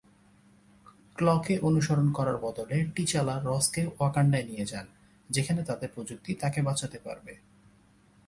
ক্ল-কে অনুসরণ করার বদলে, টি'চালা রস-কে ওয়াকান্ডায় নিয়ে যান, যেখানে তাদের প্রযুক্তি তাকে বাঁচাতে পারবে।